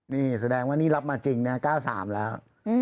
นี่แสดงว่านี่รับมาจริงนะ๙๓แล้ว